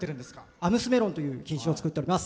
アムスメロンという品種を作っております。